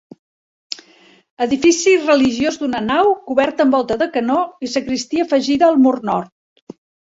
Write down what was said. Edifici religiós d'una nau coberta amb volta de canó i sagristia afegida al mur nord.